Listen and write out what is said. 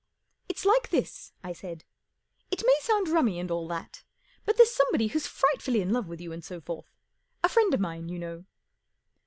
" It's like this," I said. 44 It may sound rummy and all that, but there's somebody who's frightfully in love with you and so forth—a friend of mine, you know."